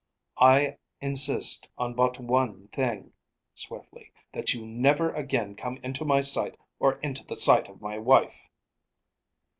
"I insist on but one thing," swiftly. "That you never again come into my sight, or into the sight of my wife."